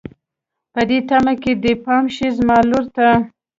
په دې تمه که دې پام شي زما ولور ته